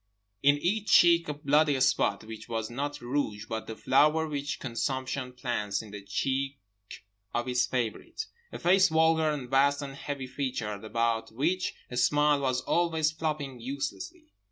In each cheek a bloody spot. Which was not rouge, but the flower which consumption plants in the cheek of its favourite. A face vulgar and vast and heavy featured, about which a smile was always flopping uselessly.